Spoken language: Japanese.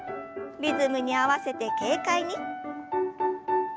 リズムに合わせて軽快に。